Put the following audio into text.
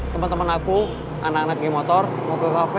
temen temen aku anak anaknya motor mau ke kafe